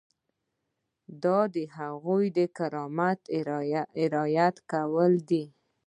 دا د هغوی د کرامت رعایت کول دي.